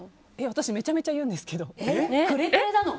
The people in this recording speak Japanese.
私めちゃめちゃ言うんですけど。